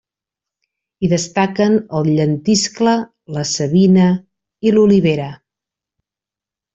Hi destaquen el llentiscle, la savina i l'olivera.